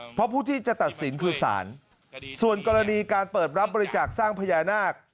เพราะผู้ที่จะตัดสินคือสารส่วนกรณีการเปิดรับบริจาคสร้างพญานาค